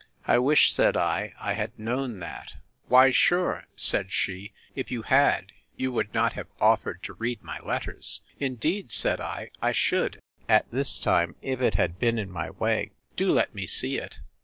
I wish, said I, I had known that. Why sure, said she, if you had, you would not have offered to read my letters! Indeed, said I, I should, at this time, if it had been in my way:—Do let me see it.